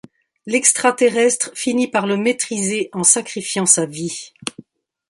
L'extra-terrestre finit par le maîtriser en sacrifiant sa vie.